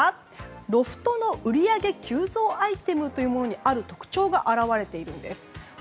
ロフトの売り上げ急増アイテムにある特徴が表れているんです。